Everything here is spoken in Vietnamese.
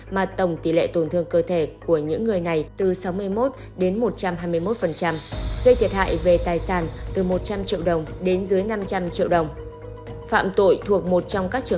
mà tổng tỷ lệ tổn thương cơ thể của những người này là hai trăm linh một trở lên